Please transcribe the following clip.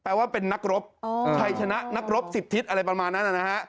ว่าเป็นนักรบใครชนะนักรบ๑๐ทิศอะไรประมาณนั้นนะฮะ